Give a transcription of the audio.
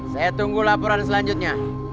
saya tunggu laporan selanjutnya